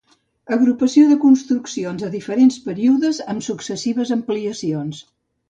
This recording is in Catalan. Agrupació de construccions de diferents períodes amb successives ampliacions.